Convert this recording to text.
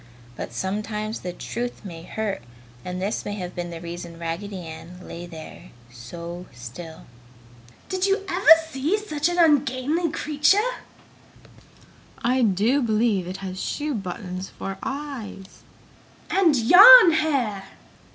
But sometimes the truth may hurt and this may have been the reason Raggedy Ann lay there so still. "Did you ever see such an ungainly creature!" "I do believe it has shoe buttons for eyes!" "And yarn hair!"